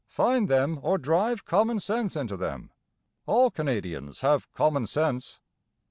Fine them, or drive common sense into them. All Canadians have common sense."